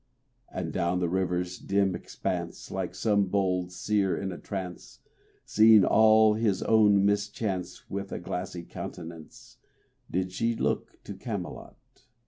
And down the river's dim expanse Like some bold seer in a trance, [541 RAINBOW GOLD Seeing all his own mischance With a glassy countenance Did she look to Camelot.